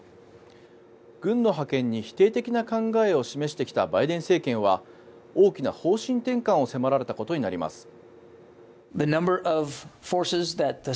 軍の派遣に否定的な考えを示してきたバイデン政権は大きな方針転換を迫られたことになります。